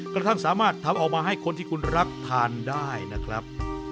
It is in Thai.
กระทั่งสามารถทำออกมาให้คนที่คุณรักทานได้นะครับ